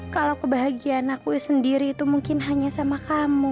kalau kebahagiaan aku sendiri itu mungkin hanya sama kamu